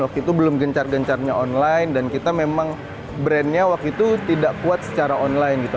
waktu itu belum gencar gencarnya online dan kita memang brandnya waktu itu tidak kuat secara online gitu